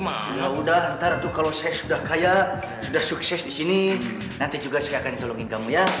ya udah antara tuh kalau saya sudah kaya sudah sukses di sini nanti juga saya akan tolongin kamu ya